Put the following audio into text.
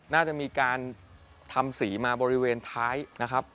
น่าจะมีการทำสีมาบริเวณท้ายนะครับ